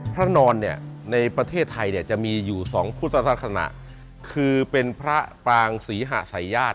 พระนอนในประเทศไทยจะมีอยู่๒พุทธศาสนาคือเป็นพระปรางศรีหะศัยาช